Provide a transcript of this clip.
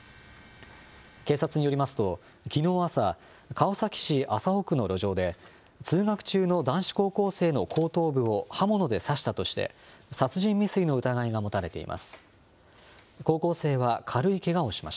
警察によりますと、きのう朝、川崎市麻生区の路上で、通学中の男子高校生の後頭部を刃物で刺したとして、殺人未遂の疑いが持たれています。